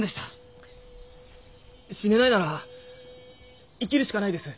死ねないなら生きるしかないです。